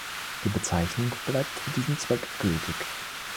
Die Bezeichnung bleibt für diesen Zweck gültig.